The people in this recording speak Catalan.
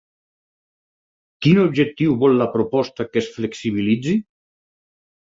Quin objectiu vol la proposta que es flexibilitzi?